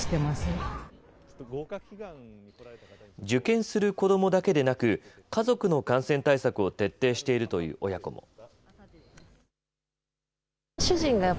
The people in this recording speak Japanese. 受験する子どもだけでなく家族の感染対策を徹底しているという親子も。